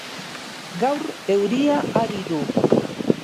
Gaur euria ari du.